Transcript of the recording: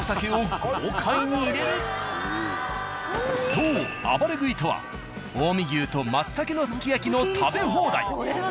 そうあばれ食いとは近江牛と松茸のすき焼きの食べ放題。